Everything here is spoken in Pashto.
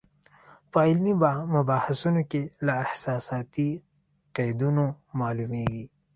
په علمي مباحثو کې له احساساتي قیدونو معلومېږي.